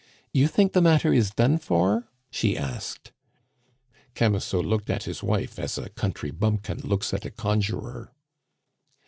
"You think the matter is done for?" she asked. Camusot looked at his wife as a country bumpkin looks at a conjurer.